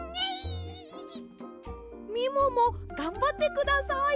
みももがんばってください。